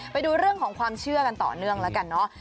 ไปดูเรื่องของความเชื่อกันต่อเนื่องแล้วกันเนาะ